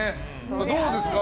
どうですか？